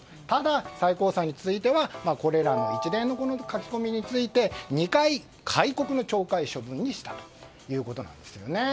ただ、最高裁についてはこれらの一連の書き込みについて２回戒告の懲戒処分にしたということなんです。